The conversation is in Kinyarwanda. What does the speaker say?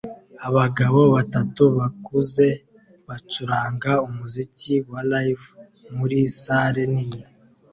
Abagabo batatu bakuze bacuranga umuziki wa Live muri salle nini